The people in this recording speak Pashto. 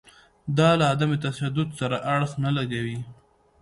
دا له عدم تشدد سره اړخ نه لګوي.